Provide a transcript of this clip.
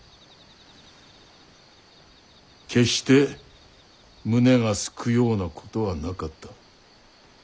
決して胸がすくようなことはなかった。